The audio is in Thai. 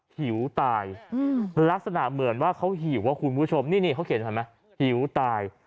หิวตายลักษณะเหมือนว่าเขาหิวคุณผู้ชมนี่เขาเขียนเห็นไหมหิวตาย